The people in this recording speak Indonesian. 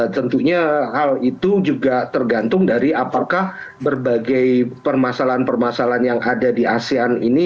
tentunya hal itu juga tergantung dari apakah berbagai permasalahan permasalahan yang ada di asean ini